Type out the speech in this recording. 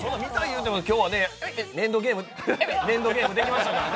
でも今日は粘土ゲームできましたからね。